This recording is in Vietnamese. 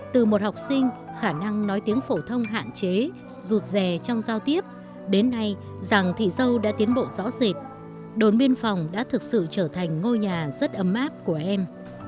từ một học sinh khả năng nói tiếng phổ thông hạn chế rụt rè trong giao tiếp đến nay giàng thị dâu đã tiến bộ rõ rệt đồn biên phòng đã thực sự trở thành ngôi nhà rất ấm áp của em